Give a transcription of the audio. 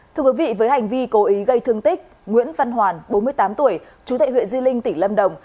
thưa quý vị với hành vi cố ý gây thương tích nguyễn văn hoàn bốn mươi tám tuổi chú tại huyện di linh tỉnh lâm đồng